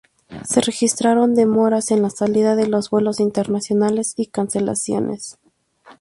Se registraron demoras en la salida de los vuelos internacionales y cancelaciones.